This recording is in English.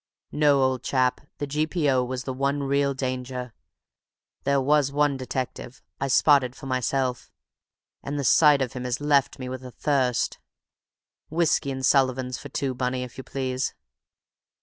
No, old chap, the G.P.O. was the one real danger; there was one detective I spotted for myself; and the sight of him has left me with a thirst. Whisky and Sullivans for two, Bunny, if you please."